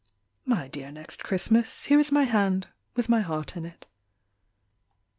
My dear Next Christmas, Here is my hand, With my heart in it.